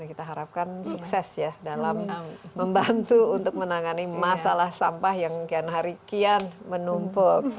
kita harapkan sukses ya dalam membantu untuk menangani masalah sampah yang kian hari kian menumpuk